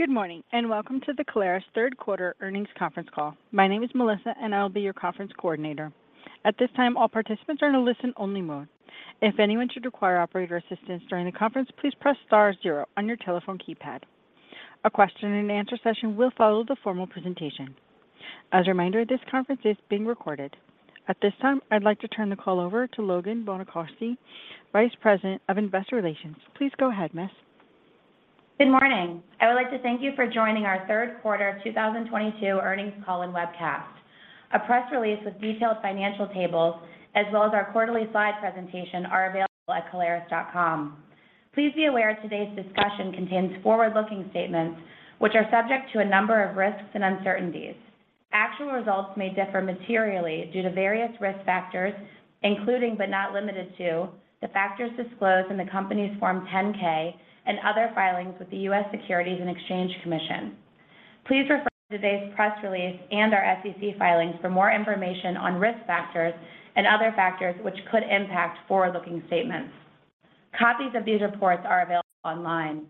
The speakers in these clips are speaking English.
Good morning and welcome to the CALERES Third Quarter Earnings Conference Call. My name is Melissa, and I'll be your conference coordinator. At this time, all participants are in a listen-only mode. If anyone should require operator assistance during the conference, please press star zero on your telephone keypad. A question-and-answer session will follow the formal presentation. As a reminder, this conference is being recorded. At this time, I'd like to turn the call over to Logan Bonacorsi, Vice President of Investor Relations. Please go ahead, miss. Good morning. I would like to thank you for joining our third quarter of 2022 earnings call and webcast. A press release with detailed financial tables as well as our quarterly slide presentation are available at caleres.com. Please be aware today's discussion contains forward-looking statements, which are subject to a number of risks and uncertainties. Actual results may differ materially due to various risk factors, including, but not limited to, the factors disclosed in the company's Form 10-K and other filings with the U.S. Securities and Exchange Commission. Please refer to today's press release and our SEC filings for more information on risk factors and other factors which could impact forward-looking statements. Copies of these reports are available online.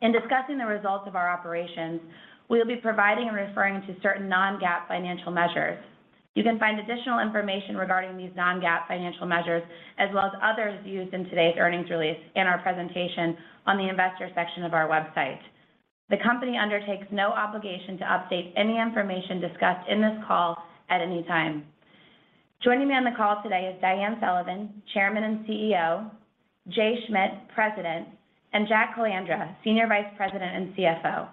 In discussing the results of our operations, we'll be providing and referring to certain non-GAAP financial measures. You can find additional information regarding these non-GAAP financial measures as well as others used in today's earnings release in our presentation on the Investor section of our website. The company undertakes no obligation to update any information discussed in this call at any time. Joining me on the call today is Diane Sullivan; Chairman and CEO, Jay Schmidt; President, and Jack Calandra; Senior Vice President and CFO.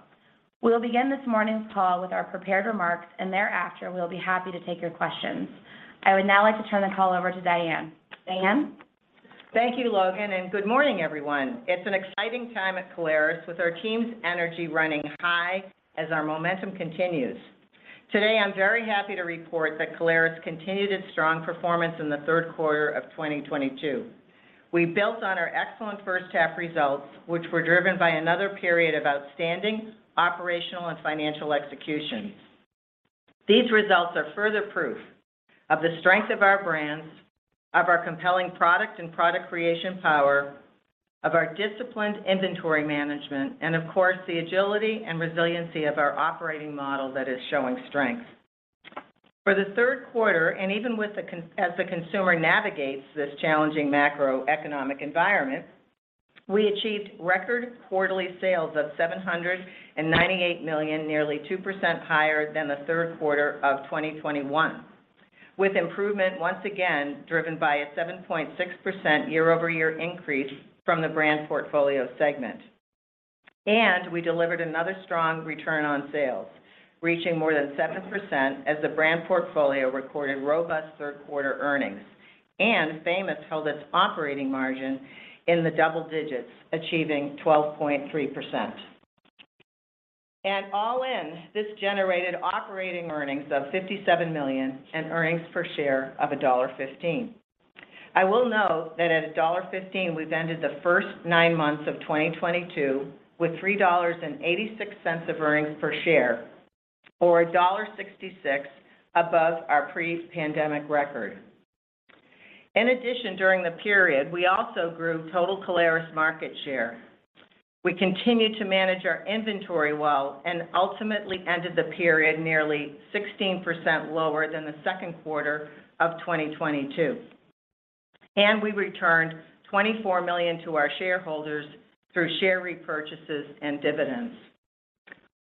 We'll begin this morning's call with our prepared remarks, and thereafter, we'll be happy to take your questions. I would now like to turn the call over to Diane. Diane? Thank you Logan. Good morning everyone. It's an exciting time at CALERES with our team's energy running high as our momentum continues. Today, I'm very happy to report that CALERES continued its strong performance in the third quarter of 2022. We built on our excellent first half results, which were driven by another period of outstanding operational and financial execution. These results are further proof of the strength of our brands, of our compelling product and product creation power, of our disciplined inventory management, and of course, the agility and resiliency of our operating model that is showing strength. For the third quarter, even with as the consumer navigates this challenging macroeconomic environment, we achieved record quarterly sales of $798 million, nearly 2% higher than the third quarter of 2021, with improvement once again driven by a 7.6% year-over-year increase from the brand portfolio segment. We delivered another strong return on sales, reaching more than 7% as the brand portfolio recorded robust third quarter earnings. Famous held its operating margin in the double digits, achieving 12.3%. All in, this generated operating earnings of $57 million and earnings per share of $1.15. I will note that at $1.15, we've ended the first nine months of 2022 with $3.86 of earnings per share or $1.66 above our pre-pandemic record. In addition, during the period we also grew total CALERES market share. We continued to manage our inventory well and ultimately ended the period nearly 16% lower than the second quarter of 2022. We returned $24 million to our shareholders through share repurchases and dividends.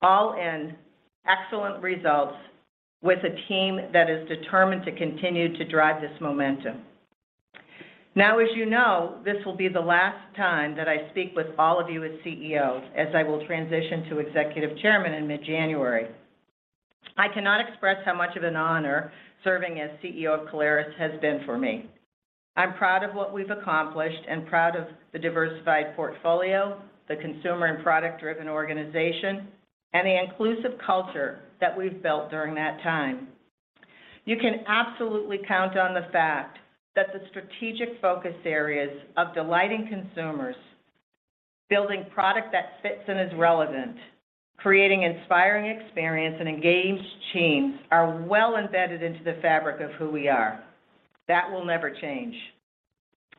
All in, excellent results with a team that is determined to continue to drive this momentum. Now, as you know, this will be the last time that I speak with all of you as CEO, as I will transition to Executive Chairman in mid-January. I cannot express how much of an honor serving as CEO of CALERES has been for me. I'm proud of what we've accomplished and proud of the diversified portfolio, the consumer and product-driven organization, and the inclusive culture that we've built during that time. You can absolutely count on the fact that the strategic focus areas of delighting consumers, building product that fits and is relevant, creating inspiring experience and engaged teams are well embedded into the fabric of who we are. That will never change.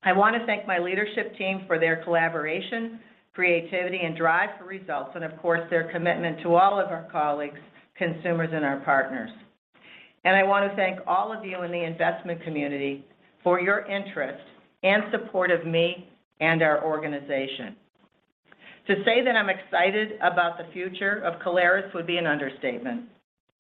I want to thank my leadership team for their collaboration, creativity, and drive for results and of course, their commitment to all of our colleagues, consumers, and our partners. I want to thank all of you in the investment community for your interest and support of me and our organization. To say that I'm excited about the future of CALERES would be an understatement.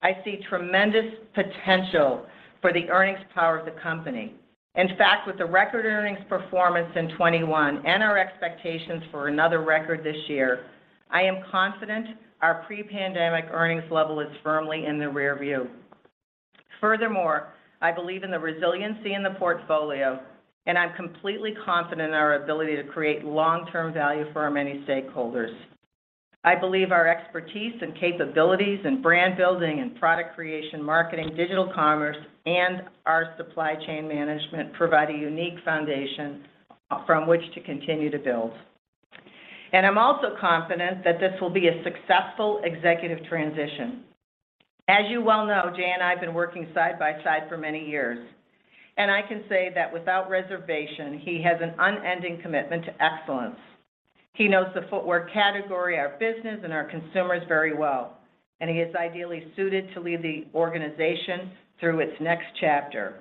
I see tremendous potential for the earnings power of the company. In fact, with the record earnings performance in 2021 and our expectations for another record this year, I am confident our pre-pandemic earnings level is firmly in the rear view. Furthermore, I believe in the resiliency in the portfolio, and I'm completely confident in our ability to create long-term value for our many stakeholders. I believe our expertise and capabilities in brand building and product creation, marketing, digital commerce, and our supply chain management provide a unique foundation from which to continue to build. I'm also confident that this will be a successful executive transition. As you well know, Jay and I have been working side by side for many years, and I can say that without reservation, he has an unending commitment to excellence. He knows the footwear category, our business, and our consumers very well, and he is ideally suited to lead the organization through its next chapter.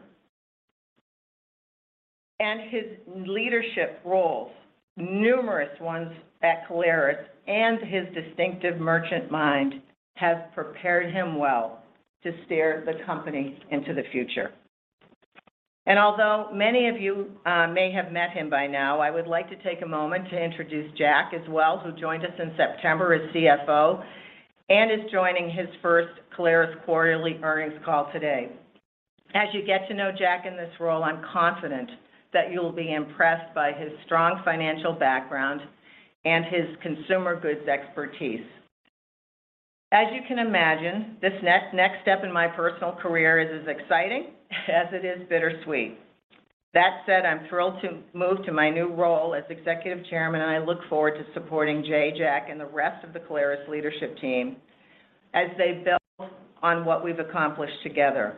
His leadership roles, numerous ones at CALERES, and his distinctive merchant mind have prepared him well to steer the company into the future. Although many of you may have met him by now, I would like to take a moment to introduce Jack as well, who joined us in September as CFO and is joining his first CALERES quarterly earnings call today. As you get to know Jack in this role, I'm confident that you'll be impressed by his strong financial background and his consumer goods expertise. As you can imagine, this next step in my personal career is as exciting as it is bittersweet. That said, I'm thrilled to move to my new role as Executive Chairman, and I look forward to supporting Jay, Jack, and the rest of the CALERES leadership team as they build on what we've accomplished together.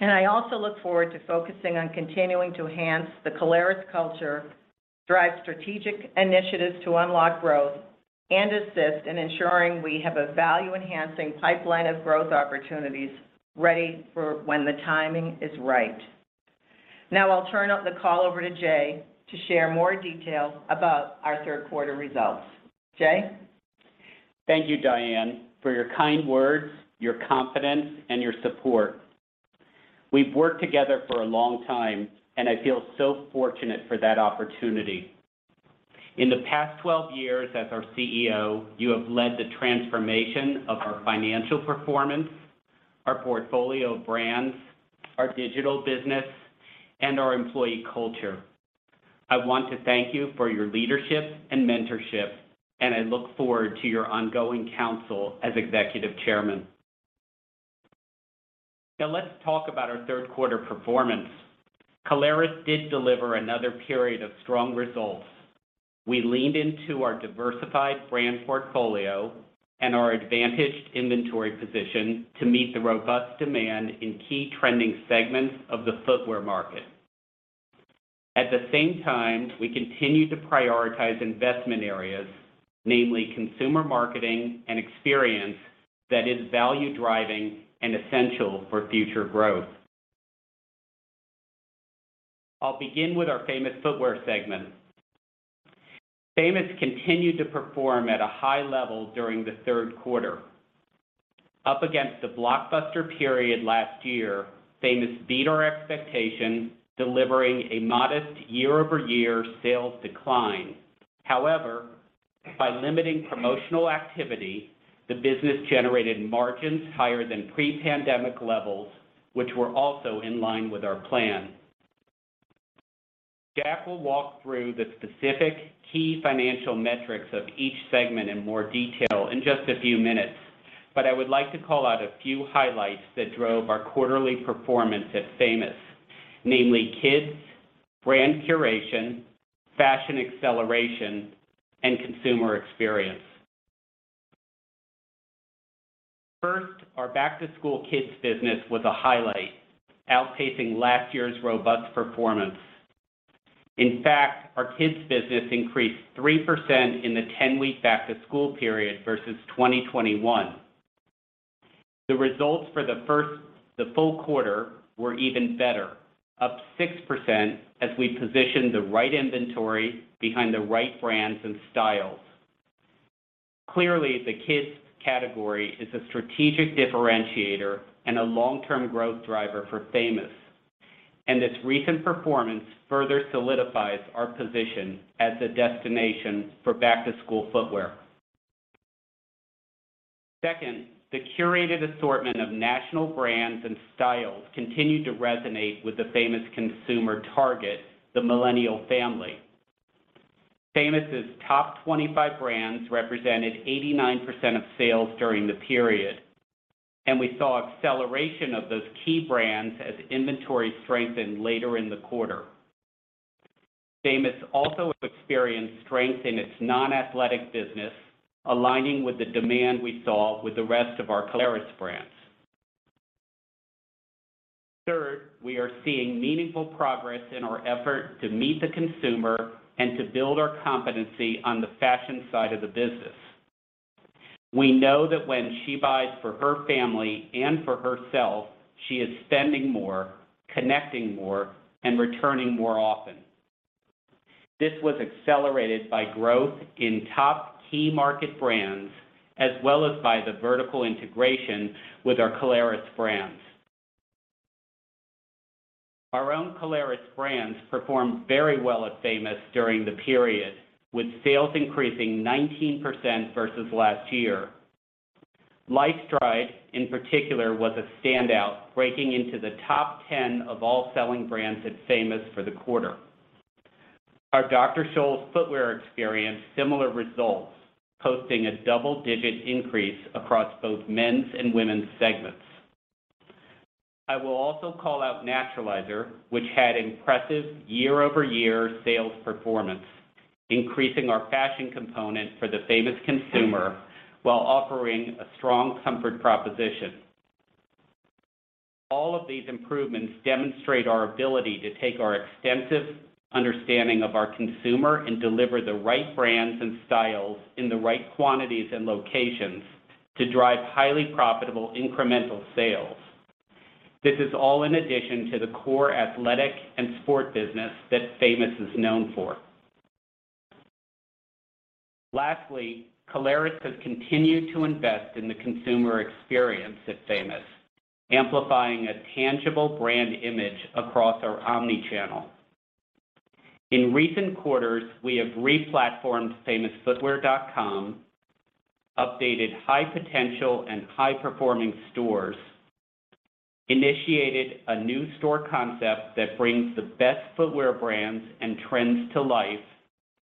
I also look forward to focusing on continuing to enhance the CALERES culture, drive strategic initiatives to unlock growth, and assist in ensuring we have a value-enhancing pipeline of growth opportunities ready for when the timing is right. Now I'll turn the call over to Jay to share more detail about our third quarter results. Jay? Thank you Diane, for your kind words, your confidence, and your support. We've worked together for a long time, and I feel so fortunate for that opportunity. In the past 12 years as our CEO, you have led the transformation of our financial performance, our portfolio of brands, our digital business, and our employee culture. I want to thank you for your leadership and mentorship, and I look forward to your ongoing counsel as Executive Chairman. Now let's talk about our third quarter performance. CALERES did deliver another period of strong results. We leaned into our diversified brand portfolio and our advantaged inventory position to meet the robust demand in key trending segments of the footwear market. At the same time, we continued to prioritize investment areas, namely consumer marketing and experience that is value-driving and essential for future growth. I'll begin with our Famous Footwear segment. Famous continued to perform at a high level during the third quarter. Up against the blockbuster period last year, Famous beat our expectations, delivering a modest year-over-year sales decline. However, by limiting promotional activity, the business generated margins higher than pre-pandemic levels, which were also in line with our plan. Jack will walk through the specific key financial metrics of each segment in more detail in just a few minutes. I would like to call out a few highlights that drove our quarterly performance at Famous, namely kids, brand curation, fashion acceleration, and consumer experience. First, our back-to-school kids business was a highlight, outpacing last year's robust performance. In fact, our kids business increased 3% in the ten-week back-to-school period versus 2021. The results for the full quarter were even better, up 6% as we positioned the right inventory behind the right brands and styles. Clearly, the kids category is a strategic differentiator and a long-term growth driver for Famous, and its recent performance further solidifies our position as a destination for back-to-school footwear. Second, the curated assortment of national brands and styles continued to resonate with the Famous consumer target, the millennial family. Famous' top 25 brands represented 89% of sales during the period, and we saw acceleration of those key brands as inventory strengthened later in the quarter. Famous also experienced strength in its non-athletic business, aligning with the demand we saw with the rest of our CALERES brands. Third, we are seeing meaningful progress in our effort to meet the consumer and to build our competency on the fashion side of the business. We know that when she buys for her family and for herself, she is spending more, connecting more, and returning more often. This was accelerated by growth in top key market brands as well as by the vertical integration with our CALERES brands. Our own CALERES brands performed very well at Famous during the period, with sales increasing 19% versus last year. LifeStride in particular was a standout, breaking into the top 10 of all selling brands at Famous for the quarter. Our Dr. Scholl's footwear experienced similar results, posting a double-digit increase across both men's and women's segments. I will also call out Naturalizer, which had impressive year-over-year sales performance, increasing our fashion component for the Famous consumer while offering a strong comfort proposition. All of these improvements demonstrate our ability to take our extensive understanding of our consumer and deliver the right brands and styles in the right quantities and locations to drive highly profitable incremental sales. This is all in addition to the core athletic and sport business that Famous is known for. Lastly, CALERES has continued to invest in the consumer experience at Famous, amplifying a tangible brand image across our omnichannel. In recent quarters, we have re-platformed famousfootwear.com, updated high potential and high performing stores, initiated a new store concept that brings the best footwear brands and trends to life,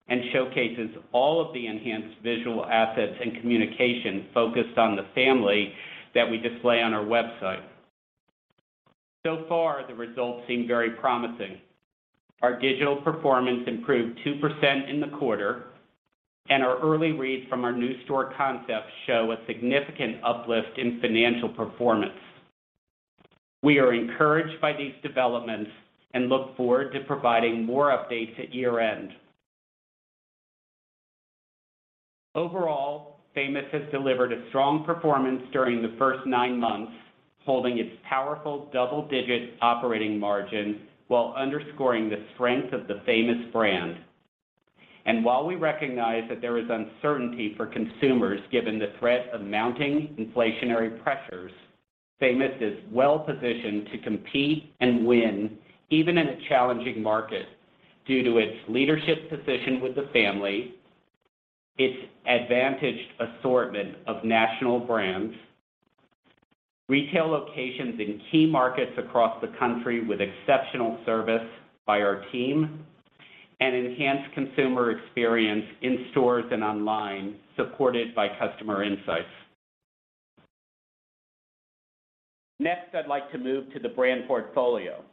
and showcases all of the enhanced visual assets and communication focused on the family that we display on our website. So far, the results seem very promising. Our digital performance improved 2% in the quarter. Our early reads from our new store concepts show a significant uplift in financial performance. We are encouraged by these developments and look forward to providing more updates at year-end. Overall, Famous has delivered a strong performance during the first nine months, holding its powerful double-digit operating margin while underscoring the strength of the Famous brand. While we recognize that there is uncertainty for consumers given the threat of mounting inflationary pressures, Famous is well-positioned to compete and win even in a challenging market due to its leadership position with the family, its advantaged assortment of national brands, retail locations in key markets across the country with exceptional service by our team, and enhanced consumer experience in stores and online, supported by customer insights. Next, I'd like to move to the brand portfolio.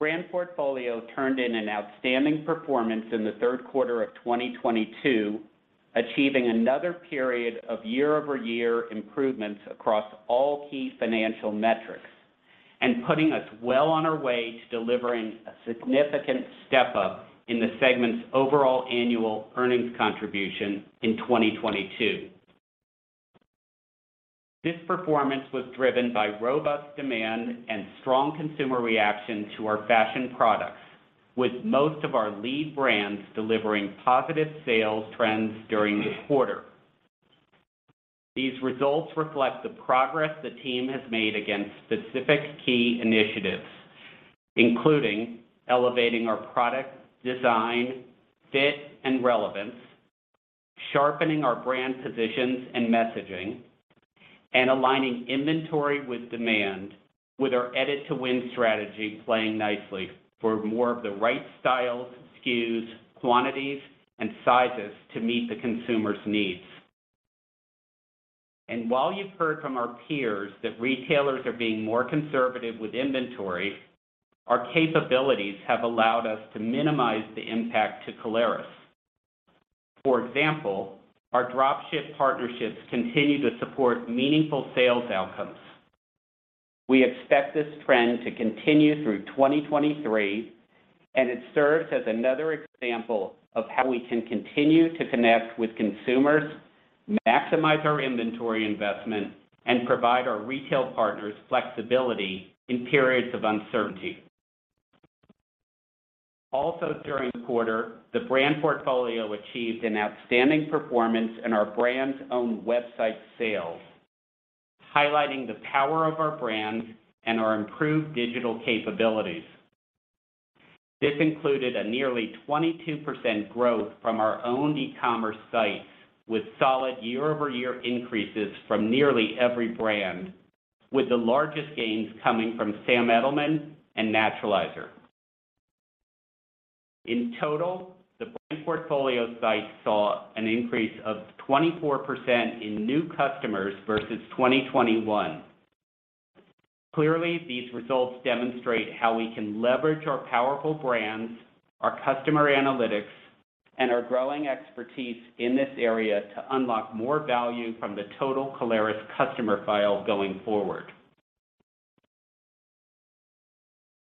Brand portfolio turned in an outstanding performance in the third quarter of 2022, achieving another period of year-over-year improvements across all key financial metrics and putting us well on our way to delivering a significant step up in the segment's overall annual earnings contribution in 2022. This performance was driven by robust demand and strong consumer reaction to our fashion products, with most of our lead brands delivering positive sales trends during the quarter. These results reflect the progress the team has made against specific key initiatives, including elevating our product design, fit, and relevance, sharpening our brand positions and messaging, and aligning inventory with demand with our Edit to Win strategy playing nicely for more of the right styles, SKUs, quantities, and sizes to meet the consumers' needs. While you've heard from our peers that retailers are being more conservative with inventory, our capabilities have allowed us to minimize the impact to CALERES. For example, our dropship partnerships continue to support meaningful sales outcomes. We expect this trend to continue through 2023, and it serves as another example of how we can continue to connect with consumers, maximize our inventory investment, and provide our retail partners flexibility in periods of uncertainty. During the quarter, the brand portfolio achieved an outstanding performance in our brand's own website sales, highlighting the power of our brands and our improved digital capabilities. This included a nearly 22% growth from our own e-commerce site with solid year-over-year increases from nearly every brand, with the largest gains coming from Sam Edelman and Naturalizer. In total, the brand portfolio sites saw an increase of 24% in new customers versus 2021. Clearly, these results demonstrate how we can leverage our powerful brands, our customer analytics, and our growing expertise in this area to unlock more value from the total Caleres customer file going forward.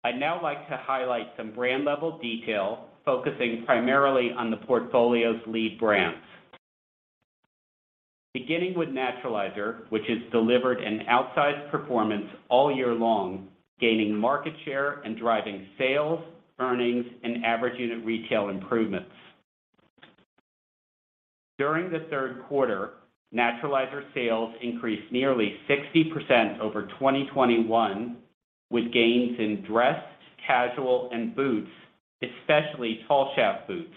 I'd now like to highlight some brand-level detail focusing primarily on the portfolio's lead brands. Beginning with Naturalizer, which has delivered an outsized performance all year long, gaining market share and driving sales, earnings, and average unit retail improvements. During the third quarter, Naturalizer sales increased nearly 60% over 2021, with gains in dress, casual, and boots, especially tall shaft boots.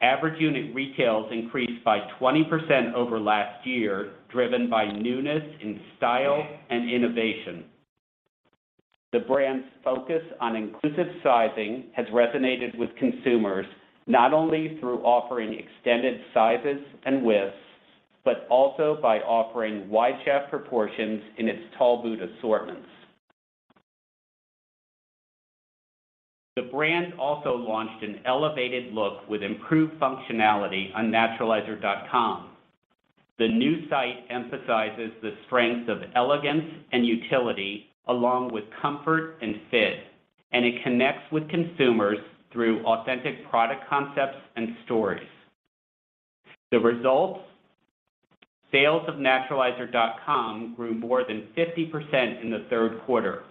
Average unit retails increased by 20% over last year, driven by newness in style and innovation. The brand's focus on inclusive sizing has resonated with consumers, not only through offering extended sizes and widths, but also by offering wide shaft proportions in its tall boot assortments. The brand also launched an elevated look with improved functionality on Naturalizer.com. The new site emphasizes the strength of elegance and utility along with comfort and fit, and it connects with consumers through authentic product concepts and stories. The results, sales of Naturalizer.com grew more than 50% in the third quarter,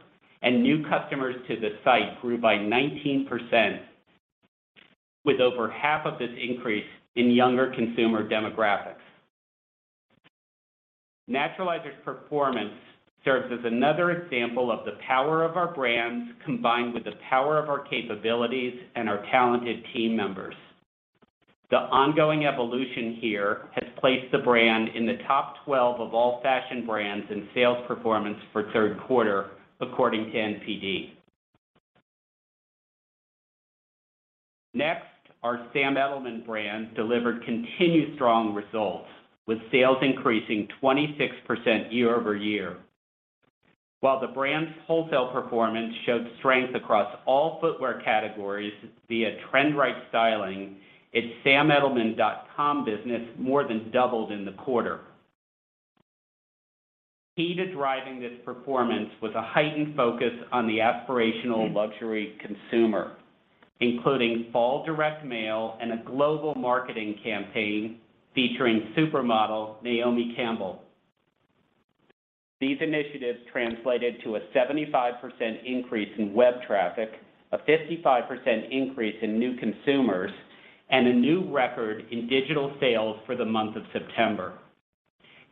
and new customers to the site grew by 19%, with over half of this increase in younger consumer demographics. Naturalizer's performance serves as another example of the power of our brands combined with the power of our capabilities and our talented team members. The ongoing evolution here has placed the brand in the top 12 of all fashion brands and sales performance for third quarter, according to NPD. Next, our Sam Edelman brand delivered continued strong results, with sales increasing 26% year-over-year. While the brand's wholesale performance showed strength across all footwear categories via trend right styling, its SamEdelman.com business more than doubled in the quarter. Key to driving this performance was a heightened focus on the aspirational luxury consumer, including fall direct mail and a global marketing campaign featuring supermodel Naomi Campbell. These initiatives translated to a 75% increase in web traffic, a 55% increase in new consumers, and a new record in digital sales for the month of September.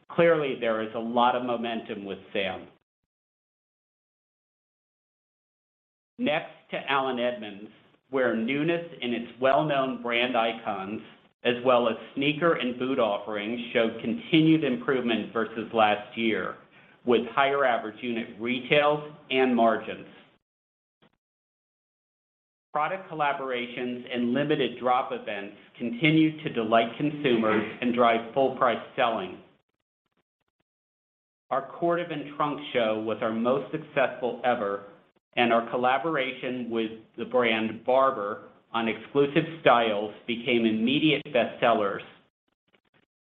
Clearly, there is a lot of momentum with Sam. Next to Allen Edmonds, where newness in its well-known brand icons as well as sneaker and boot offerings showed continued improvement versus last year, with higher average unit retails and margins. Product collaborations and limited drop events continue to delight consumers and drive full-price selling. Our Cordovan trunk show was our most successful ever, and our collaboration with the brand Barbour on exclusive styles became immediate bestsellers.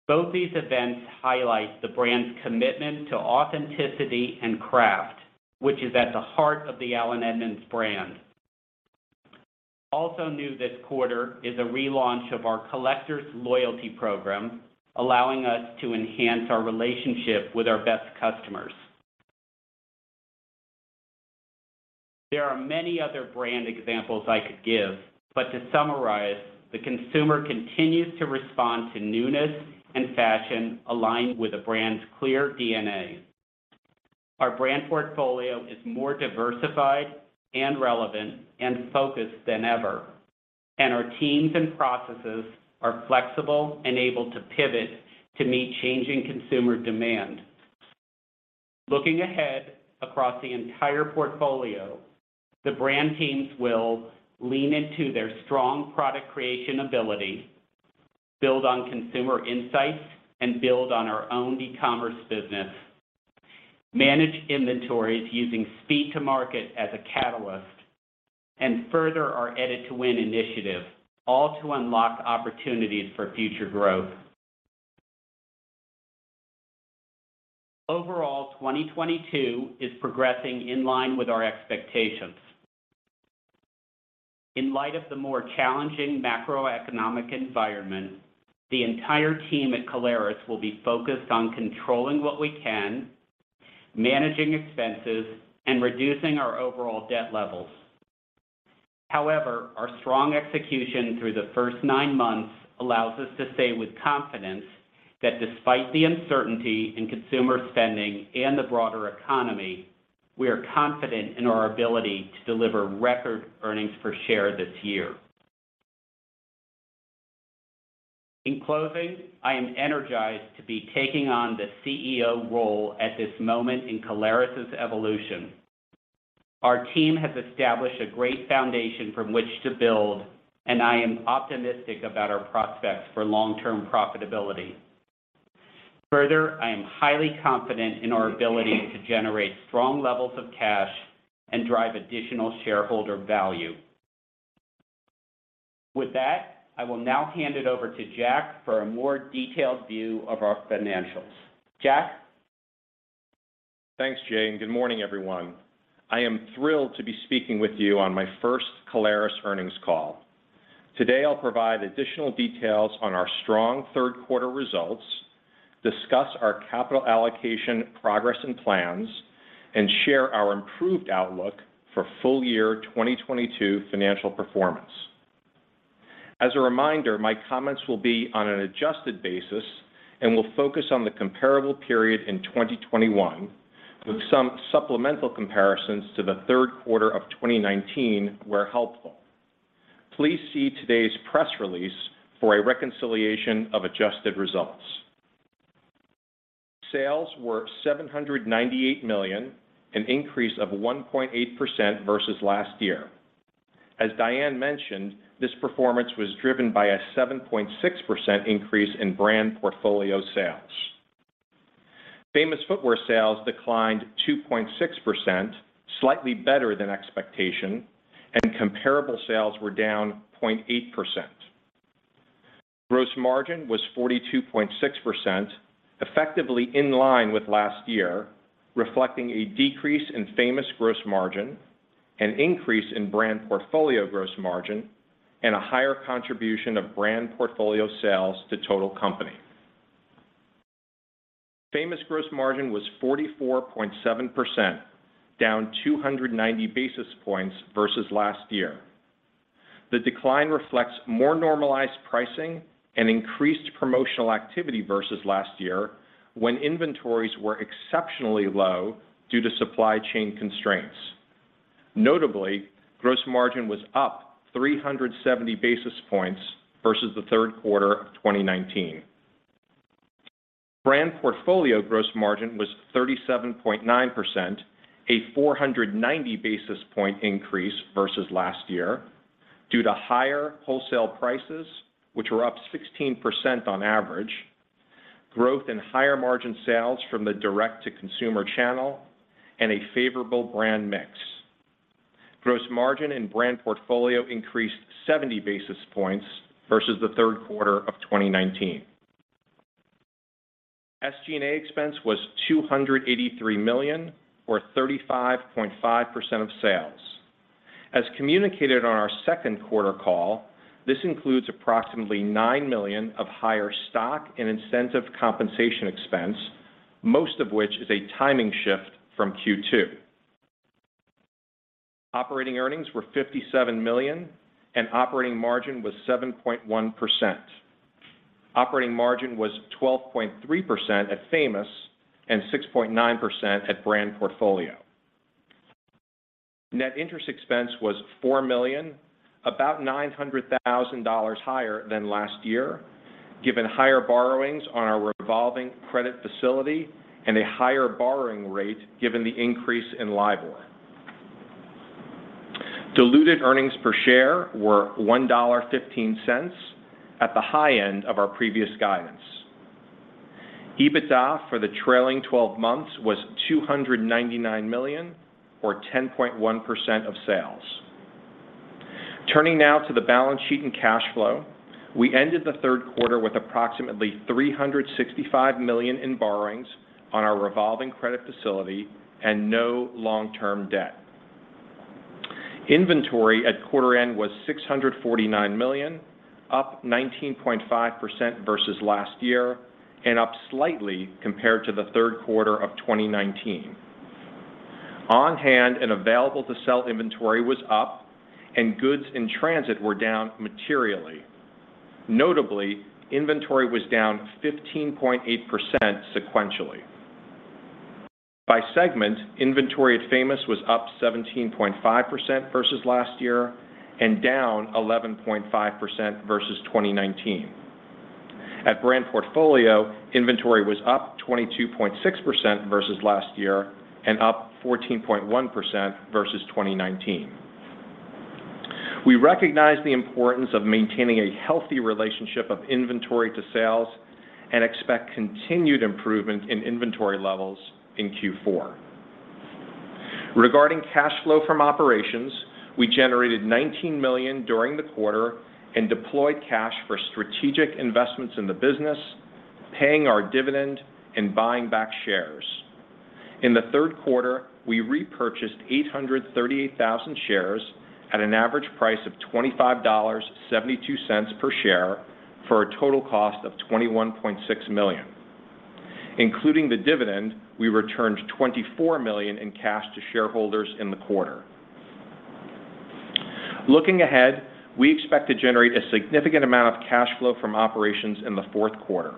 Both these events highlight the brand's commitment to authenticity and craft, which is at the heart of the Allen Edmonds brand. Also new this quarter is a relaunch of our Collectors Loyalty program, allowing us to enhance our relationship with our best customers. There are many other brand examples I could give, but to summarize, the consumer continues to respond to newness and fashion aligned with a brand's clear DNA. Our brand portfolio is more diversified and relevant and focused than ever. Our teams and processes are flexible and able to pivot to meet changing consumer demand. Looking ahead across the entire portfolio, the brand teams will lean into their strong product creation ability, build on consumer insights and build on our own e-commerce business, manage inventories using speed to market as a catalyst, and further our Edit to Win initiative, all to unlock opportunities for future growth. Overall, 2022 is progressing in line with our expectations. In light of the more challenging macroeconomic environment, the entire team at CALERES will be focused on controlling what we can, managing expenses, and reducing our overall debt levels. However, our strong execution through the first nine months allows us to say with confidence that despite the uncertainty in consumer spending and the broader economy, we are confident in our ability to deliver record earnings per share this year. In closing, I am energized to be taking on the CEO role at this moment in CALERES' evolution. Our team has established a great foundation from which to build, and I am optimistic about our prospects for long-term profitability. I am highly confident in our ability to generate strong levels of cash and drive additional shareholder value. I will now hand it over to Jack for a more detailed view of our financials. Jack? Thanks Jay. Good morning everyone. I am thrilled to be speaking with you on my first CALERES earnings call. Today, I'll provide additional details on our strong third quarter results, discuss our capital allocation progress and plans, and share our improved outlook for full year 2022 financial performance. As a reminder, my comments will be on an adjusted basis and will focus on the comparable period in 2021, with some supplemental comparisons to the third quarter of 2019 where helpful. Please see today's press release for a reconciliation of adjusted results. Sales were $798 million, an increase of 1.8% versus last year. As Diane mentioned, this performance was driven by a 7.6% increase in brand portfolio sales. Famous Footwear sales declined 2.6%, slightly better than expectation, and comparable sales were down 0.8%. Gross margin was 42.6%, effectively in line with last year, reflecting a decrease in Famous gross margin, an increase in brand portfolio gross margin, and a higher contribution of brand portfolio sales to total company. Famous gross margin was 44.7%, down 290 basis points versus last year. The decline reflects more normalized pricing and increased promotional activity versus last year when inventories were exceptionally low due to supply chain constraints. Notably, gross margin was up 370 basis points versus the third quarter of 2019. Brand portfolio gross margin was 37.9%, a 490 basis point increase versus last year due to higher wholesale prices, which were up 16% on average, growth in higher margin sales from the direct-to-consumer channel, and a favorable brand mix. Gross margin in brand portfolio increased 70 basis points versus the third quarter of 2019. SG&A expense was $283 million, or 35.5% of sales. As communicated on our second quarter call, this includes approximately $9 million of higher stock and incentive compensation expense, most of which is a timing shift from Q2. Operating earnings were $57 million, and operating margin was 7.1%. Operating margin was 12.3% at Famous and 6.9% at brand portfolio. Net interest expense was $4 million, about $900,000 higher than last year, given higher borrowings on our revolving credit facility and a higher borrowing rate given the increase in LIBOR. Diluted earnings per share were $1.15 at the high end of our previous guidance. EBITDA for the trailing 12 months was $299 million, or 10.1% of sales. Turning now to the balance sheet and cash flow, we ended the third quarter with approximately $365 million in borrowings on our revolving credit facility and no long-term debt. Inventory at quarter end was $649 million, up 19.5% versus last year and up slightly compared to the third quarter of 2019. On hand and available to sell inventory was up and goods in transit were down materially. Notably, inventory was down 15.8% sequentially. By segment, inventory at Famous was up 17.5% versus last year and down 11.5% versus 2019. At brand portfolio, inventory was up 22.6% versus last year and up 14.1% versus 2019. We recognize the importance of maintaining a healthy relationship of inventory to sales and expect continued improvement in inventory levels in Q4. Regarding cash flow from operations, we generated $19 million during the quarter and deployed cash for strategic investments in the business, paying our dividend, and buying back shares. In the third quarter, we repurchased 838,000 shares at an average price of $25.72 per share for a total cost of $21.6 million. Including the dividend, we returned $24 million in cash to shareholders in the quarter. Looking ahead, we expect to generate a significant amount of cash flow from operations in the fourth quarter.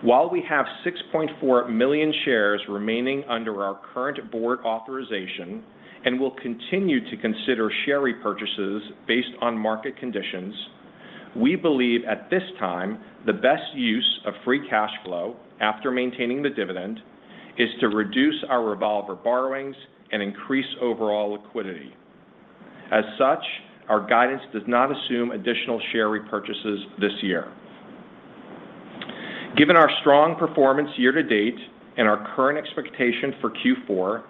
While we have 6.4 million shares remaining under our current board authorization and will continue to consider share repurchases based on market conditions, we believe at this time the best use of free cash flow after maintaining the dividend is to reduce our revolver borrowings and increase overall liquidity. Our guidance does not assume additional share repurchases this year. Given our strong performance year-to-date and our current expectation for Q4,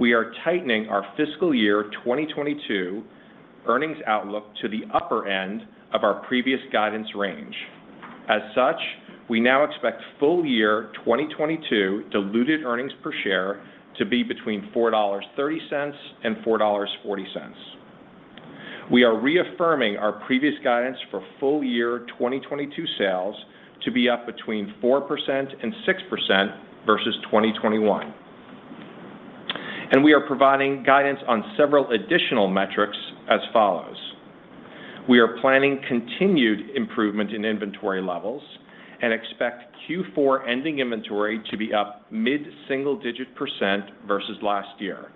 we are tightening our fiscal year 2022 earnings outlook to the upper end of our previous guidance range. We now expect full year 2022 diluted earnings per share to be between $4.30 and $4.40. We are reaffirming our previous guidance for full year 2022 sales to be up between 4% and 6% versus 2021. We are providing guidance on several additional metrics as follows. We are planning continued improvement in inventory levels and expect Q4 ending inventory to be up mid-single digit % versus last year.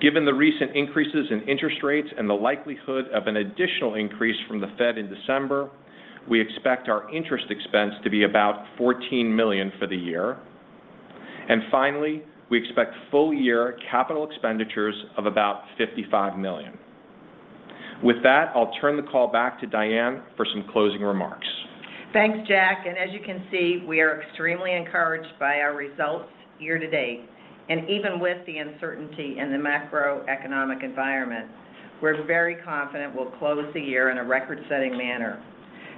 Given the recent increases in interest rates and the likelihood of an additional increase from the Fed in December, we expect our interest expense to be about $14 million for the year. Finally, we expect full year capital expenditures of about $55 million. With that, I'll turn the call back to Diane for some closing remarks. Thanks Jack. As you can see, we are extremely encouraged by our results year to date. Even with the uncertainty in the macroeconomic environment, we're very confident we'll close the year in a record-setting manner.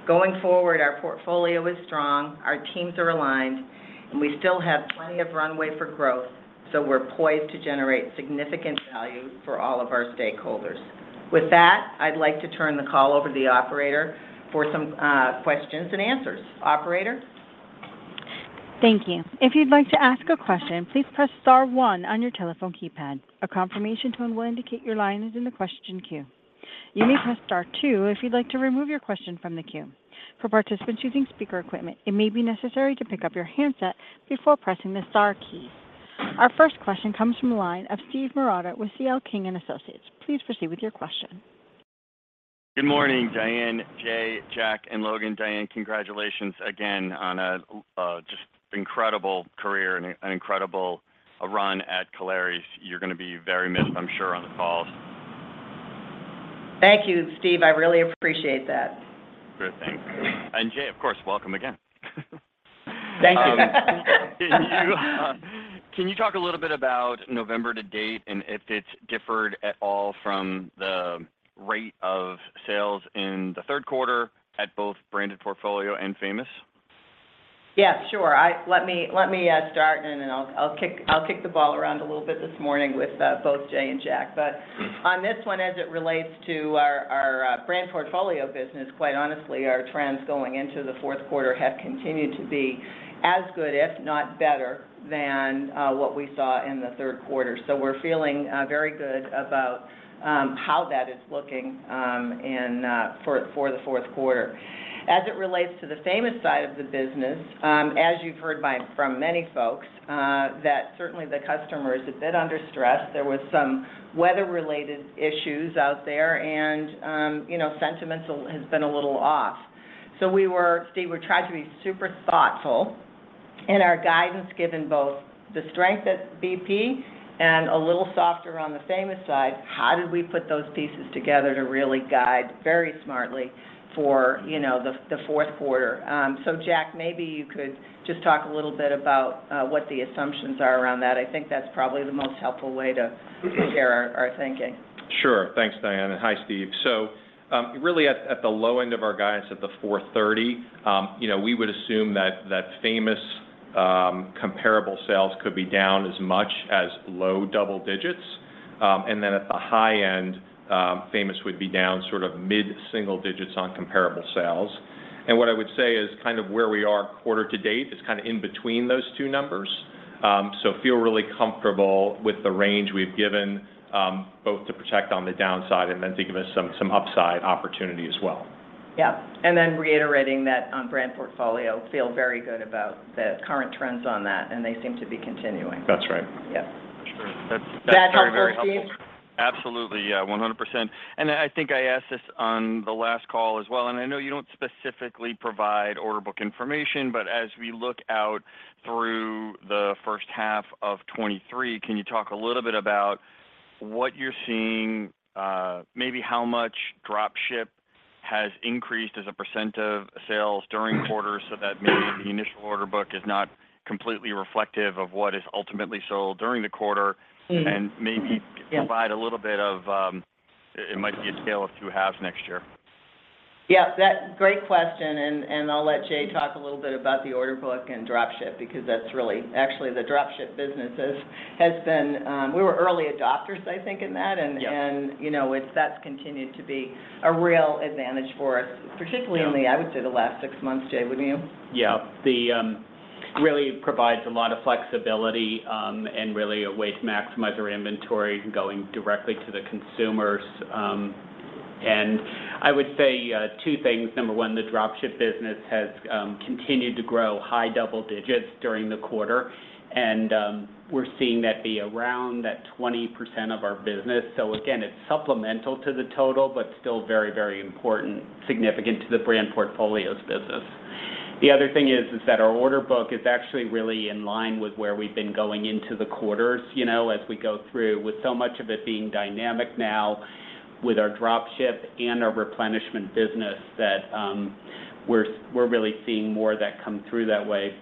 Going forward, our portfolio is strong, our teams are aligned, and we still have plenty of runway for growth, so we're poised to generate significant value for all of our stakeholders. With that, I'd like to turn the call over to the operator for some questions and answers. Operator? Thank you. If you'd like to ask a question, please press star one on your telephone keypad. A confirmation tone will indicate your line is in the question queue. You may press star two if you'd like to remove your question from the queue. For participants using speaker equipment, it may be necessary to pick up your handset before pressing the star key. Our first question comes from the line of Steven Marotta with C.L. King & Associates. Please proceed with your question. Good morning Diane, Jay, Jack, and Logan. Diane, congratulations again on a just incredible career and an incredible run at CALERES. You're gonna be very missed, I'm sure, on the calls. Thank you Steve, I really appreciate that. Great thanks. Jay, of course, welcome again. Thank you. Can you talk a little bit about November to date and if it's differed at all from the rate of sales in the third quarter at both branded portfolio and Famous? Yeah sure. Let me start, I'll kick the ball around a little bit this morning with both Jay and Jack. On this one, as it relates to our brand portfolio business, quite honestly, our trends going into the fourth quarter have continued to be as good, if not better, than what we saw in the third quarter. We're feeling very good about how that is looking in for the fourth quarter. As it relates to the Famous side of the business, as you've heard from many folks, that certainly the customer is a bit under stress. There was some weather-related issues out there and, you know, sentiment has been a little off. We were Steve, we're trying to be super thoughtful in our guidance, given both the strength at BP and a little softer on the Famous side. How did we put those pieces together to really guide very smartly for, you know, the fourth quarter? Jack, maybe you could just talk a little bit about what the assumptions are around that. I think that's probably the most helpful way to share our thinking. Sure, thanks Diane. Hi Steve. Really at the low end of our guidance at $430, you know, we would assume that Famous comparable sales could be down as much as low double digits. At the high end, Famous would be down sort of mid-single digits on comparable sales. What I would say is kind of where we are quarter to date is kind of in between those two numbers. Feel really comfortable with the range we've given, both to protect on the downside and then to give us some upside opportunity as well. Yeah. Reiterating that on brand portfolio, feel very good about the current trends on that, and they seem to be continuing. That's right. Yeah. Sure, that's very helpful. That helpful Steve? Absolutely, yeah, 100%. I think I asked this on the last call as well, and I know you don't specifically provide order book information, but as we look out through the first half of 2023, can you talk a little bit about what you're seeing, maybe how much drop ship has increased as a percent of sales during quarters so that maybe the initial order book is not completely reflective of what is ultimately sold during the quarter— Mm-hmm. Yeah. and maybe provide a little bit of, it might be a tail of two halves next year. Yeah, great question, and I'll let Jay talk a little bit about the order book and drop ship because that's really. Actually, the drop ship business has been. We were early adopters, I think, in that. Yeah. You know, that's continued to be a real advantage for us, particularly in the, I would say, the last six months. Jay, wouldn't you? Yeah, the really provides a lot of flexibility, and really a way to maximize our inventory going directly to the consumers. I would say two things: Number one, the drop ship business has continued to grow high double digits during the quarter. We're seeing that be around that 20% of our business. Again, it's supplemental to the total, but still very, very important, significant to the brand portfolios business. The other thing is that our order book is actually really in line with where we've been going into the quarters, you know, as we go through. With so much of it being dynamic now with our drop ship and our replenishment business that we're really seeing more of that come through that way.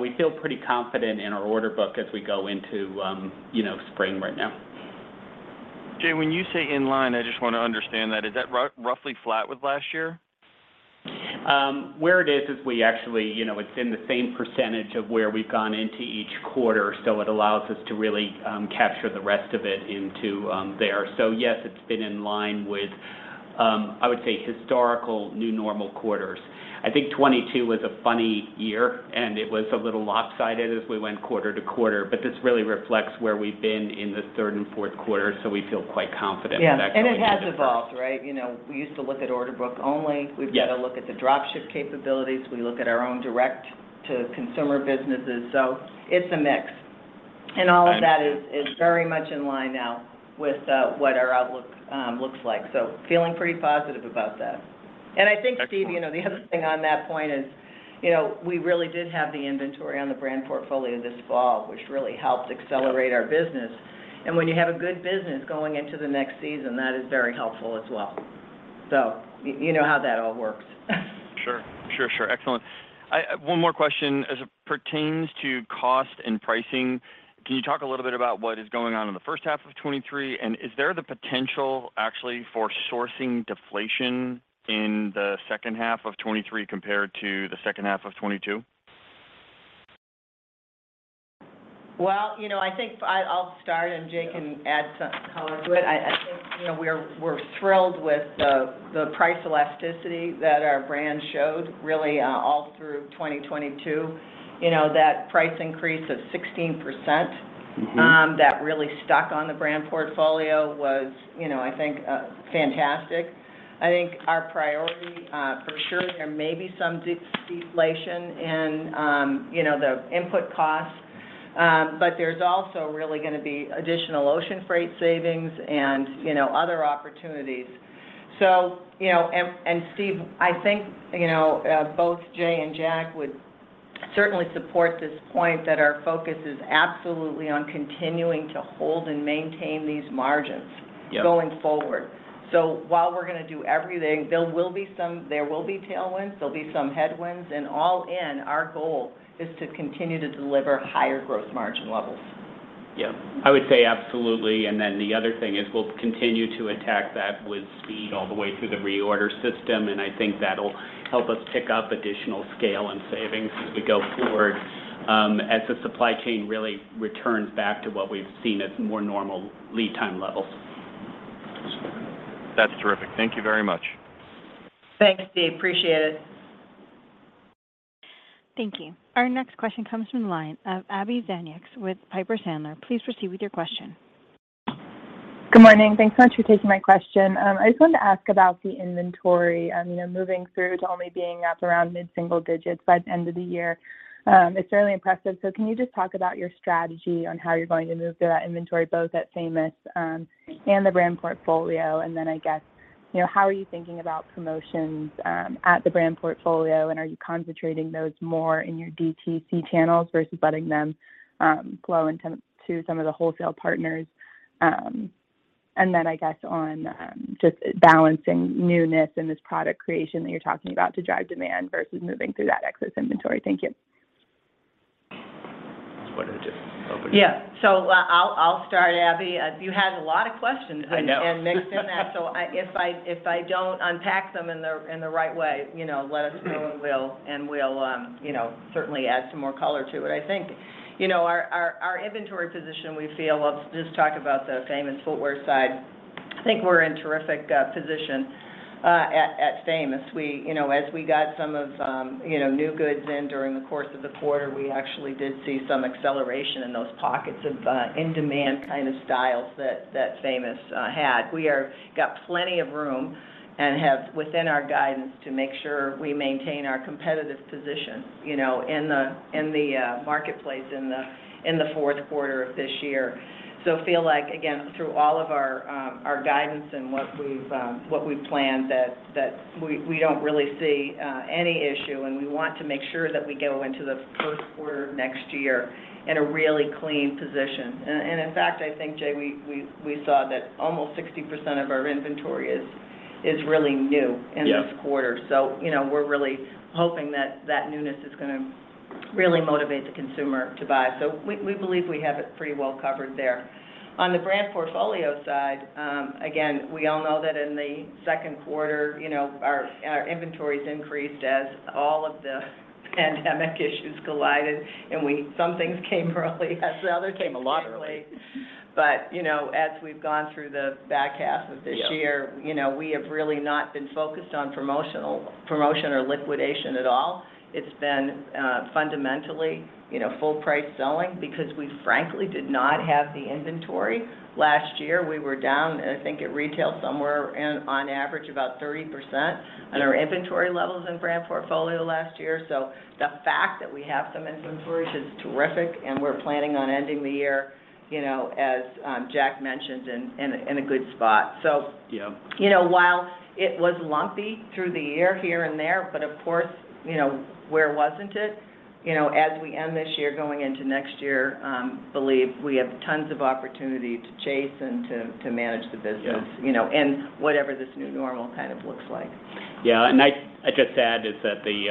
We feel pretty confident in our order book as we go into, you know, spring right now. Jay when you say in line, I just wanna understand that. Is that roughly flat with last year? Where it is we actually...you know, it's in the same percent of where we've gone into each quarter, so it allows us to really capture the rest of it into there. Yes, it's been in line with, I would say historical new normal quarters. I think 2022 was a funny year, and it was a little lopsided as we went quarter to quarter, but this really reflects where we've been in the third and fourth quarter, so we feel quite confident with that going into the first. Yeah. It has evolved, right? You know, we used to look at order book only. Yeah. We've got to look at the drop ship capabilities. We look at our own direct-to-consumer businesses. It's a mix. All of that is very much in line now with what our outlook looks like. Feeling pretty positive about that. I think Steve, you know, the other thing on that point is, you know, we really did have the inventory on the brand portfolio this fall, which really helped accelerate our business. When you have a good business going into the next season, that is very helpful as well. You know how that all works. Sure. Sure, sure. Excellent, one more question. As it pertains to cost and pricing, can you talk a little bit about what is going on in the first half of 2023? Is there the potential actually for sourcing deflation in the second half of 2023 compared to the second half of 2022? Well, you know, I think I'll start and Jay can add some color to it. I think, you know, we're thrilled with the price elasticity that our brand showed really, all through 2022. You know, that price increase of 16%. Mm-hmm That really stuck on the brand portfolio was, you know, I think, fantastic. I think our priority, for sure there may be some de-deflation in, you know, the input costs but there's also really gonna be additional ocean freight savings and, you know, other opportunities. You know, and Steve, I think, you know, both Jay and Jack would certainly support this point that our focus is absolutely on continuing to hold and maintain these margins— Yeah going forward. While we're gonna do everything, there will be tailwinds, there'll be some headwinds and all in, our goal is to continue to deliver higher growth margin levels. Yeah, I would say absolutely. The other thing is we'll continue to attack that with speed all the way through the reorder system, I think that'll help us pick up additional scale and savings as we go forward, as the supply chain really returns back to what we've seen as more normal lead time levels. That's terrific, thank you very much. Thanks Steve, appreciate it. Thank you. Our next question comes from the line of Abbie Zvejnieks with Piper Sandler. Please proceed with your question. Good morning, thanks so much for taking my question. I just wanted to ask about the inventory, you know, moving through to only being up around mid-single digits by the end of the year. It's really impressive. Can you just talk about your strategy on how you're going to move through that inventory, both at Famous, and the brand portfolio? Then I guess, you know, how are you thinking about promotions, at the brand portfolio, and are you concentrating those more in your DTC channels versus letting them flow into some of the wholesale partners? Then I guess on, just balancing newness and this product creation that you're talking about to drive demand versus moving through that excess inventory. Thank you. Want to just open it? Yeah. I'll start Abbie, you had a lot of questions. I know. Mixed in that. If I don't unpack them in the right way, you know, let us know and we'll, you know, certainly add some more color to it. I think, you know, our inventory position. Let's just talk about the Famous Footwear side. I think we're in terrific position at Famous. We, you know, as we got some of, you know, new goods in during the course of the quarter, we actually did see some acceleration in those pockets of in-demand kind of styles that Famous had. Got plenty of room and have within our guidance to make sure we maintain our competitive position, you know, in the marketplace in the fourth quarter of this year. Feel like, again, through all of our guidance and what we've planned, that we don't really see any issue, and we want to make sure that we go into the first quarter of next year in a really clean position. In fact, I think Jay, we saw that almost 60% of our inventory is really new in this quarter. Yeah. You know, we're really hoping that that newness is gonna really motivate the consumer to buy. We believe we have it pretty well covered there. On the brand portfolio side, again, we all know that in the second quarter, you know, our inventories increased as all of the pandemic issues collided and some things came early. Yes. Others came a lot early but you know, as we've gone through the back half of this year— Yeah you know, we have really not been focused on promotion or liquidation at all. It's been fundamentally, you know, full price selling because we frankly did not have the inventory. Last year, we were down, I think, at retail somewhere around, on average, about 30% on our inventory levels in brand portfolio last year. The fact that we have some inventory is just terrific, and we're planning on ending the year, you know, as Jack mentioned, in a good spot, so. Yeah. You know, while it was lumpy through the year here and there, but of course, you know, where wasn't it? You know, as we end this year going into next year, believe we have tons of opportunity to chase and to manage the business— Yeah you know, in whatever this new normal kind of looks like. Yeah. I just add is that the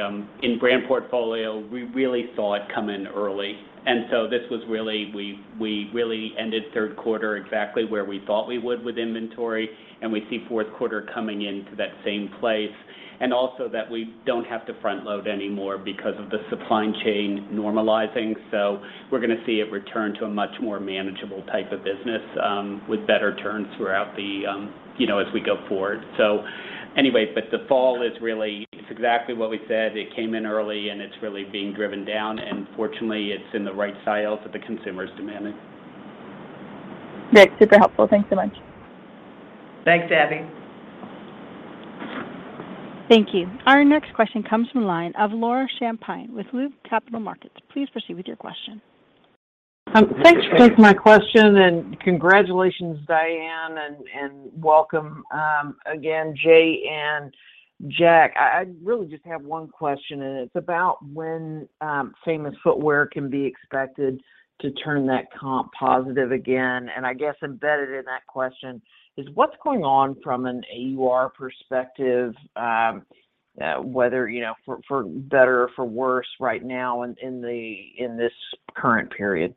in brand portfolio, we really saw it come in early. This was really. We really ended third quarter exactly where we thought we would with inventory, and we see fourth quarter coming into that same place, and also that we don't have to front load anymore because of the supply chain normalizing. We're gonna see it return to a much more manageable type of business, with better turns throughout the, you know, as we go forward. Anyway, the fall is really, it's exactly what we said. It came in early, and it's really being driven down, and fortunately, it's in the right styles that the consumer is demanding. Great, super helpful. Thanks so much. Thanks Abbie. Thank you. Our next question comes from line of Laura Champine with Loop Capital Markets. Please proceed with your question. Thanks for taking my question and congratulations Diane, and welcome again Jay and Jack. I really just have one question, and it's about when Famous Footwear can be expected to turn that comp positive again. I guess embedded in that question is what's going on from an AUR perspective, whether, you know, for better or for worse right now in this current period?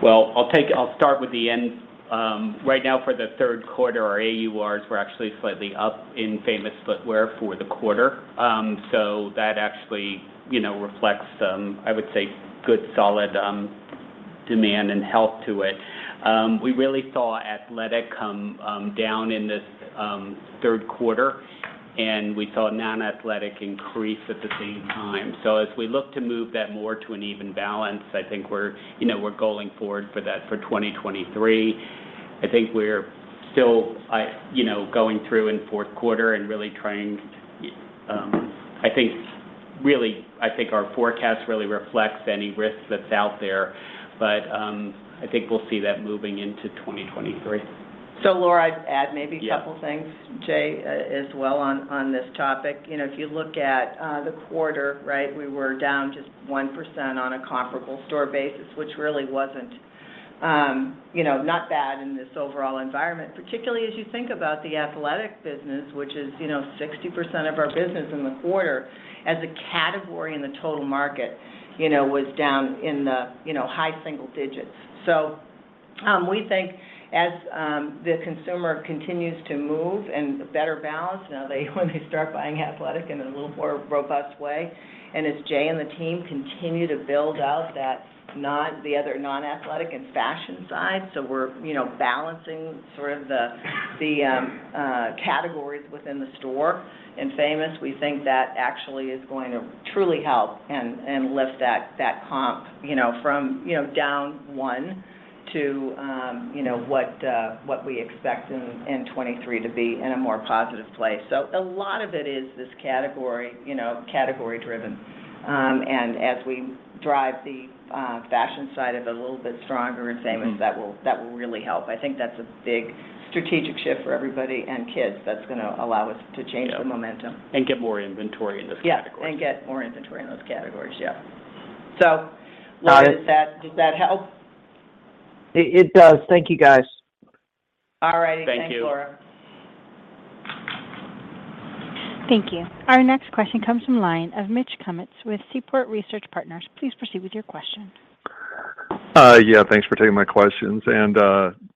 I'll take it. I'll start with the end. Right now for the third quarter, our AURs were actually slightly up in Famous Footwear for the quarter. So that actually, you know, reflects, I would say good solid demand and health to it. We really saw athletic come down in this third quarter, and we saw non-athletic increase at the same time. As we look to move that more to an even balance, I think we're, you know, we're going forward for that for 2023. I think we're still, you know, going through in fourth quarter and really trying. I think our forecast really reflects any risk that's out there, but I think we'll see that moving into 2023. Laura, I'd add maybe a couple things. Yeah. Jay, as well on this topic. You know, if you look at, the quarter, right, we were down just 1% on a comparable store basis, which really wasn't, you know, not bad in this overall environment, particularly as you think about the athletic business, which is, you know, 60% of our business in the quarter as a category in the total market, you know, was down in the, you know, high single digits. We think as, the consumer continues to move and better balance, you know, when they start buying athletic in a little more robust way, and as Jay and the team continue to build out that the other non-athletic and fashion side. We're, you know, balancing sort of the categories within the store in Famous. We think that actually is going to truly help and lift that comp, you know, from, you know, down one to, you know, what we expect in 23 to be in a more positive place. A lot of it is this category, you know, category-driven. As we drive the fashion side of it a little bit stronger in Famous— Mm-hmm that will really help. I think that's a big strategic shift for everybody and kids that's gonna allow us to change the momentum. Yeah. Get more inventory in those categories. Yeah. Get more inventory in those categories. Yeah, Laura- Got it. Does that help? It does, thank you guys. All right. Thanks Laura. Thank you. Thank you. Our next question comes from line of Mitch Kummetz with Seaport Research Partners. Please proceed with your question. Yeah, thanks for taking my questions.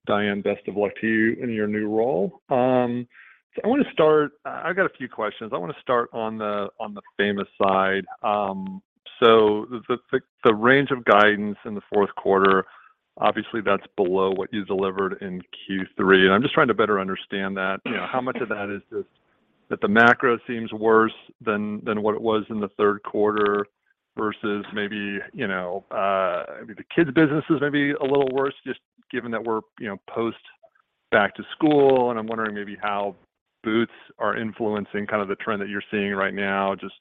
Diane, best of luck to you in your new role. I wanna start. I got a few questions. I wanna start on the Famous side. The range of guidance in the fourth quarter, obviously that's below what you delivered in Q3, and I'm just trying to better understand that. You know, how much of that is just that the macro seems worse than what it was in the third quarter versus maybe, you know, maybe the kids business is maybe a little worse just given that we're, you know, post back to school? I'm wondering maybe how boots are influencing kind of the trend that you're seeing right now, just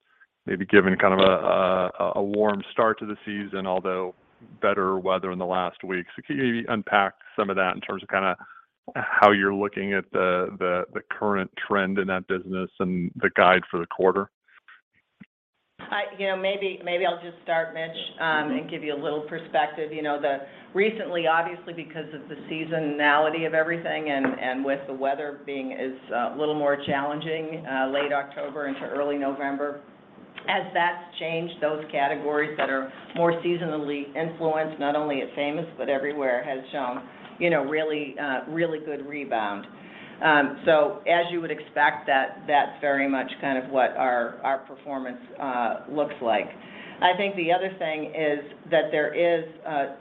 maybe giving kind of a warm start to the season, although better weather in the last week. Can you maybe unpack some of that in terms of kinda how you're looking at the current trend in that business and the guide for the quarter? You know, maybe I'll just start Mitch and give you a little perspective. You know, recently obviously because of the seasonality of everything and with the weather being as little more challenging late October into early November, as that's changed those categories that are more seasonally influenced, not only at Famous but everywhere, has shown, you know, really good rebound. As you would expect, that's very much kind of what our performance looks like I think the other thing is that there is,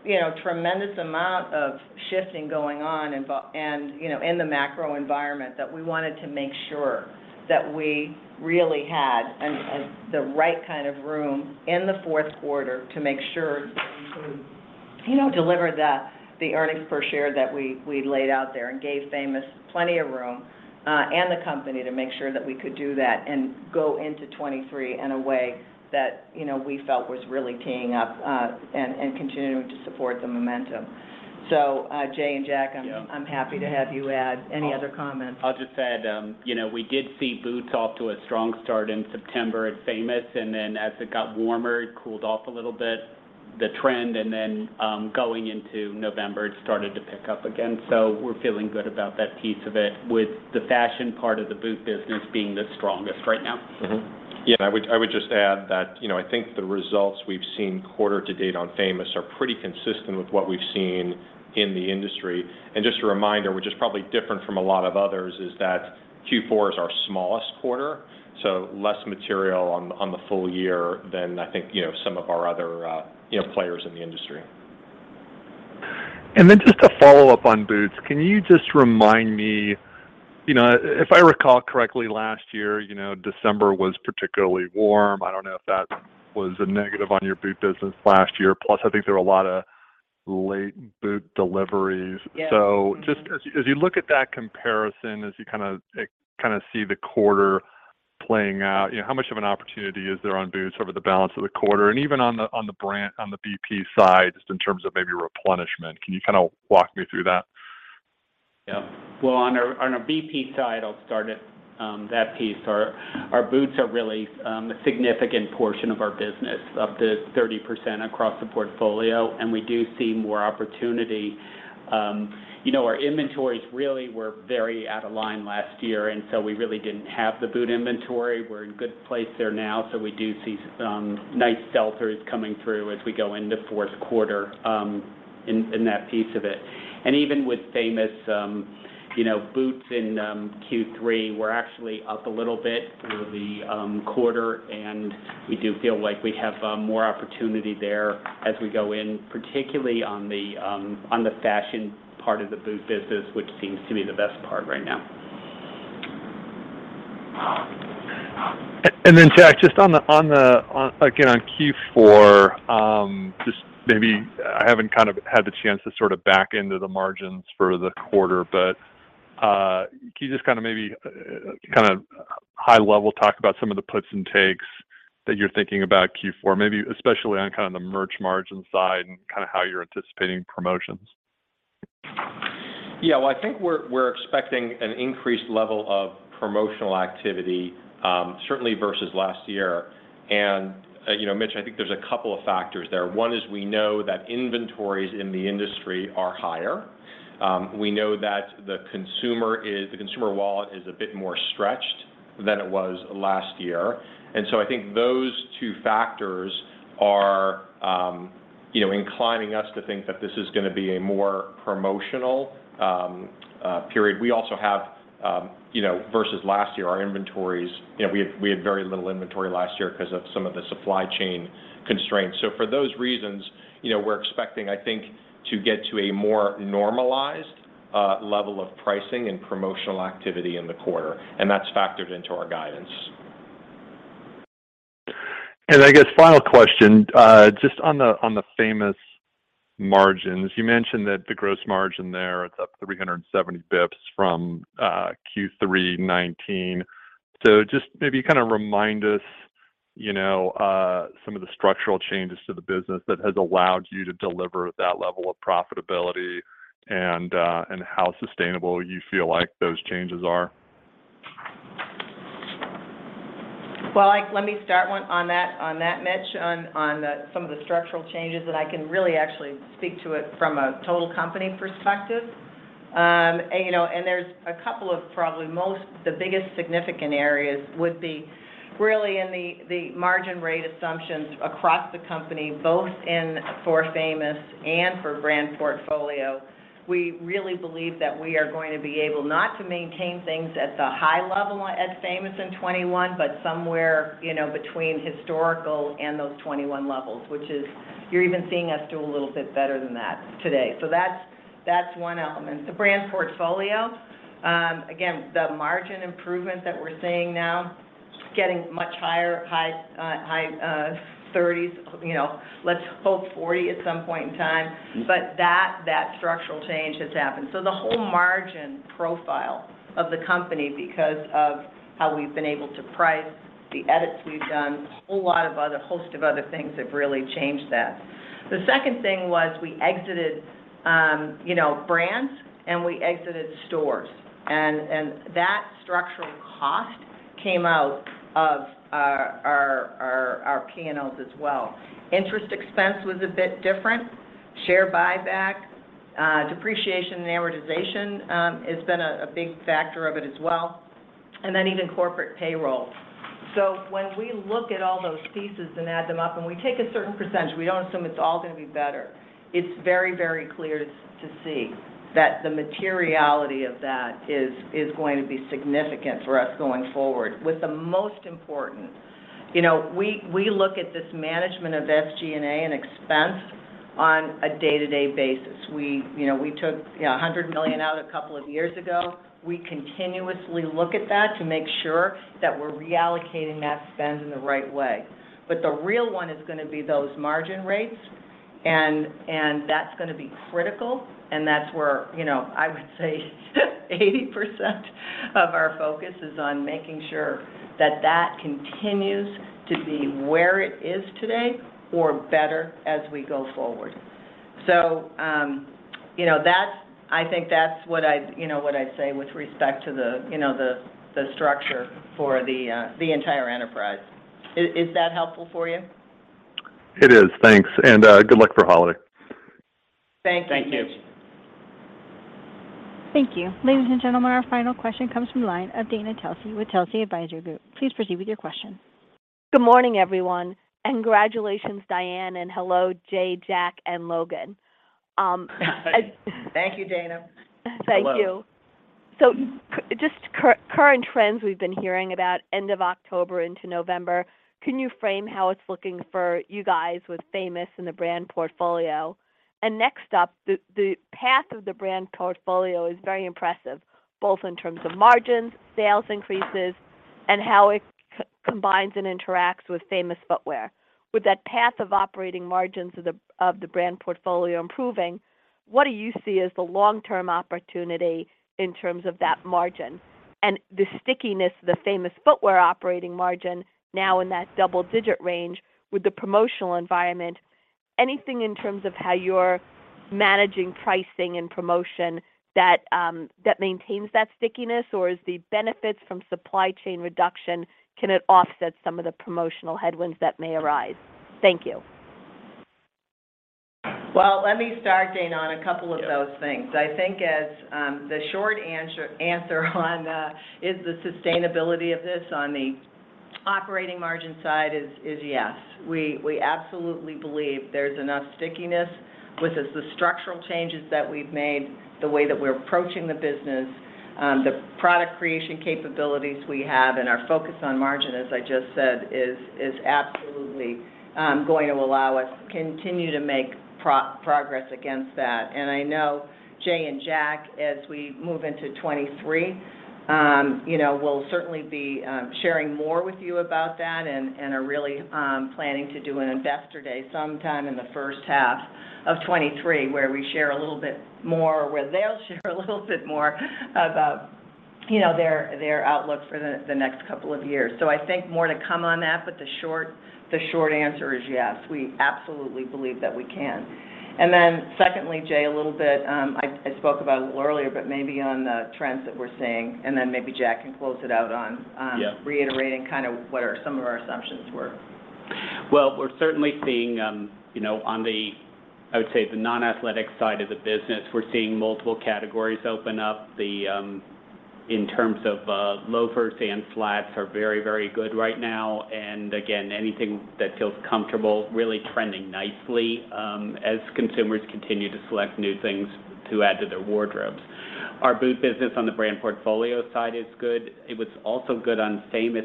you know, tremendous amount of shifting going on and, you know, in the macro environment that we wanted to make sure that we really had an—the right kind of room in the fourth quarter to make sure we could, you know, deliver the earnings per share that we laid out there and gave Famous plenty of room, and the company to make sure that we could do that and go into 23 in a way that, you know, we felt was really teeing up and continuing to support the momentum. Jay and Jack. Yeah I'm happy to have you add any other comments. I'll just add, you know, we did see boots off to a strong start in September at Famous, and then as it got warmer, it cooled off a little bit, the trend, and then going into November, it started to pick up again. We're feeling good about that piece of it with the fashion part of the boot business being the strongest right now. Mm-hmm. Yeah. I would just add that, you know, I think the results we've seen quarter to date on Famous Footwear are pretty consistent with what we've seen in the industry. Just a reminder, which is probably different from a lot of others, is that Q4 is our smallest quarter, so less material on the full year than I think, you know, some of our other, you know, players in the industry. Just to follow up on boots, can you just remind me, you know, if I recall correctly, last year, you know, December was particularly warm. I don't know if that was a negative on your boot business last year. Plus, I think there were a lot of late boot deliveries. Yes. Mm-hmm. Just as you look at that comparison, as you kind of see the quarter playing out, you know, how much of an opportunity is there on boots over the balance of the quarter and even on the BP side, just in terms of maybe replenishment. Can you kind of walk me through that? Yeah. Well, on a BP side, I'll start at that piece. Our boots are really a significant portion of our business, up to 30% across the portfolio, and we do see more opportunity. You know, our inventories really were very out of line last year, and so we really didn't have the boot inventory. We're in good place there now, so we do see some nice shelters coming through as we go into fourth quarter in that piece of it. Even with Famous, you know, boots in Q3, we're actually up a little bit through the quarter, and we do feel like we have more opportunity there as we go in, particularly on the fashion part of the boot business, which seems to be the best part right now. Jack, just on Q4, just maybe I haven't kind of had the chance to sort of back into the margins for the quarter but can you just kind of maybe, kind of high level talk about some of the puts and takes that you're thinking about Q4, maybe especially on kind of the merch margin side and kind of how you're anticipating promotions? Yeah. Well, I think we're expecting an increased level of promotional activity, certainly versus last year. You know, Mitch, I think there's a couple of factors there. One is we know that inventories in the industry are higher. We know that the consumer wallet is a bit more stretched than it was last year. I think those two factors are, you know, inclining us to think that this is gonna be a more promotional period. We also have, you know, versus last year, our inventories, you know, we had very little inventory last year 'cause of some of the supply chain constraints. For those reasons, you know, we're expecting, I think, to get to a more normalized level of pricing and promotional activity in the quarter, and that's factored into our guidance. I guess, final question, just on the, on the Famous margins. You mentioned that the gross margin there, it's up 370 bips from Q3 2019. Just maybe kind of remind us, you know, some of the structural changes to the business that has allowed you to deliver that level of profitability and how sustainable you feel like those changes are. Well, let me start one on that Mitch, on some of the structural changes that I can really actually speak to it from a total company perspective. You know, there's a couple of probably the biggest significant areas would be really in the margin rate assumptions across the company, both for Famous and for brand portfolio. We really believe that we are going to be able not to maintain things at the high level as Famous in 21, but somewhere, you know, between historical and those 21 levels, which is you're even seeing us do a little bit better than that today that's one element. The brand portfolio, again, the margin improvement that we're seeing now, getting much higher 30s, you know, let's hope 40 at some point in time. That structural change has happened. The whole margin profile of the company because of how we've been able to price the edits we've done, a whole host of other things have really changed that. The second thing was we exited, you know, brands and we exited stores, and that structural cost came out of our P&Ls as well. Interest expense was a bit different. Share buyback, depreciation and amortization has been a big factor of it as well, and then even corporate payroll. When we look at all those pieces and add them up, and we take a certain percentage, we don't assume it's all gonna be better, it's very, very clear to see that the materiality of that is going to be significant for us going forward. With the most important, you know, we look at this management of SG&A and expense on a day-to-day basis. We, you know, we took, you know, $100 million out a couple of years ago. We continuously look at that to make sure that we're reallocating that spend in the right way. The real one is gonna be those margin rates, and that's gonna be critical, and that's where, you know, I would say 80% of our focus is on making sure that that continues to be where it is today or better as we go forward. You know, that's I think that's what I'd, you know, what I'd say with respect to the, you know, the structure for the entire enterprise. Is that helpful for you? It is. Thanks and good luck for Holiday. Thank you Mitch. Thank you. Thank you. Ladies and gentlemen, our final question comes from the line of Dana Telsey with Telsey Advisory Group. Please proceed with your question. Good morning everyone and congratulations Diane, and hello Jay, Jack, and Logan. Thank you Dana. Thank you. Hello. Current trends we've been hearing about end of October into November, can you frame how it's looking for you guys with Famous Footwear and the brand portfolio? Next up, the path of the brand portfolio is very impressive, both in terms of margins, sales increases, and how it combines and interacts with Famous Footwear. With that path of operating margins of the brand portfolio improving, what do you see as the long-term opportunity in terms of that margin and the stickiness of the Famous Footwear operating margin now in that double-digit range with the promotional environment? Anything in terms of how you're managing pricing and promotion that maintains that stickiness, or as the benefits from supply chain reduction, can it offset some of the promotional headwinds that may arise? Thank you. Well, let me start Dana, on a couple of those things. I think as the short answer on is the sustainability of this on the operating margin side is yes. We absolutely believe there's enough stickiness with the structural changes that we've made, the way that we're approaching the business, the product creation capabilities we have, and our focus on margin, as I just said, is absolutely going to allow us continue to make progress against that. I know Jay and Jack, as we move into 2023, you know, we'll certainly be sharing more with you about that and are really planning to do an investor day sometime in the first half of 2023, where we share a little bit more, where they'll share a little bit more about, you know, their outlook for the next couple of years. I think more to come on that, but the short answer is yes. We absolutely believe that we can. Secondly, Jay a little bit, I spoke about a little earlier but maybe on the trends that we're seeing, and then maybe Jack can close it out on— Yeah. reiterating kind of what are some of our assumptions were. Well, we're certainly seeing, you know, on the I would say, the non-athletic side of the business, we're seeing multiple categories open up. In terms of loafers and flats are very, very good right now. Again, anything that feels comfortable really trending nicely, as consumers continue to select new things to add to their wardrobes. Our boot business on the brand portfolio side is good. It was also good on Famous.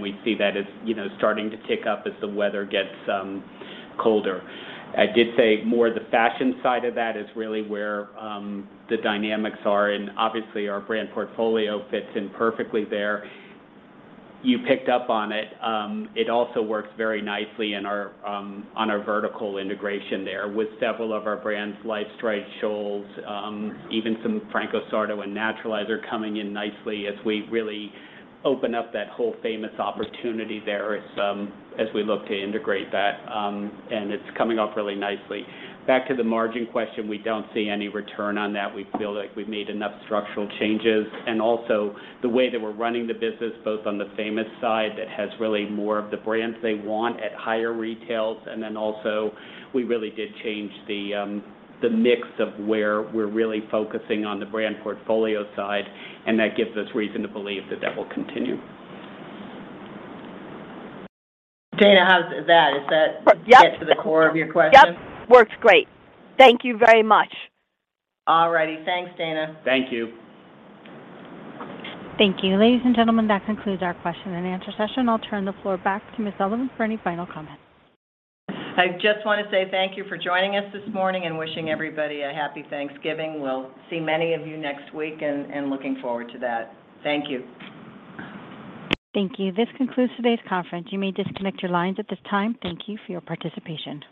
We see that as, you know, starting to tick up as the weather gets colder. I did say more the fashion side of that is really where the dynamics are, obviously, our brand portfolio fits in perfectly there. You picked up on it. It also works very nicely in our on our vertical integration there with several of our brands, LifeStride, Dr. Scholl's, even some Franco Sarto and Naturalizer coming in nicely as we really open up that whole Famous opportunity there as we look to integrate that. It's coming up really nicely. Back to the margin question, we don't see any return on that. We feel like we've made enough structural changes. Also, the way that we're running the business, both on the Famous side that has really more of the brands they want at higher retails, and then also we really did change the mix of where we're really focusing on the brand portfolio side, and that gives us reason to believe that that will continue. Dana, how's that? Yep. Get to the core of your question? Yep, works great. Thank you very much. All righty. Thanks Dana. Thank you. Thank you. Ladies and gentlemen, that concludes our question and answer session. I'll turn the floor back to Diane Sullivan for any final comments. I just wanna say thank you for joining us this morning and wishing everybody a happy Thanksgiving. We'll see many of you next week and looking forward to that. Thank you. Thank you. This concludes today's conference. You may disconnect your lines at this time. Thank you for your participation.